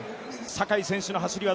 坂井選手